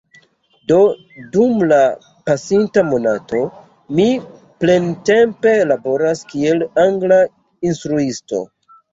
Do dum la pasinta monato mi plentempe laboras kiel angla instruisto